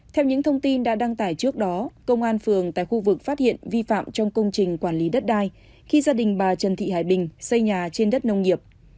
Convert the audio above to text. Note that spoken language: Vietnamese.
theo những thông tin đã đăng tải trước đó công an phường tại khu vực phát hiện vi phạm trong công trình quản lý đất đai khi gia đình bà trần thị hải bình xây nhà trên đất nông nghiệp